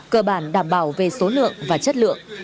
cơ bản đảm bảo về số lượng và chất lượng